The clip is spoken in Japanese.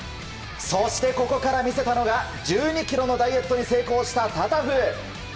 そしてここから見せたのは１２ｋｇのダイエットに成功したタタフ。